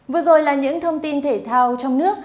vừa rồi là những thông tin thể thao trong nước